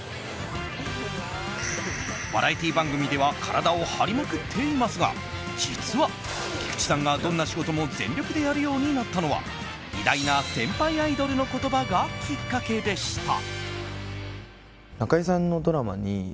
バラエティー番組では体を張りまくっていますが実は、菊池さんがどんな仕事も全力でやるようになったのは偉大な先輩アイドルの言葉がきっかけでした。